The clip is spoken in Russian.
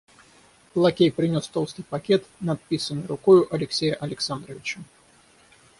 Лакей принес толстый пакет, надписанный рукою Алексея Александровича.